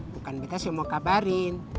bukan kita semua kabarin